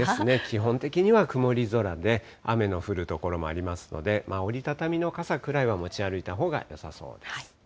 基本的には曇り空で、雨の降る所もありますので、折り畳みの傘くらいは持ち歩いたほうがよさそうです。